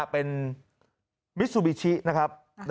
เป็นมิซูบิชินะครับ